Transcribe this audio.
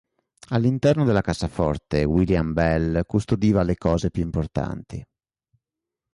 All'interno della cassaforte William Bell custodiva le cose più importanti.